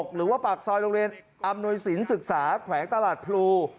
หรือว่าปากซอยโรงเรียนอำนวยสินศึกษาแขวงตลาดพลู